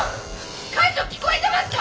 艦長聞こえてますか？